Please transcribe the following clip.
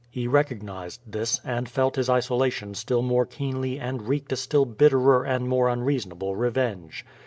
He recognized this, and felt his isolation still more keenly and wreaked a still bitterer and more unreasonable revenge.